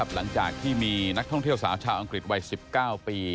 หลังจากที่มีนักท่องเที่ยวสาวชาวอังกฤษวัย๑๙ปี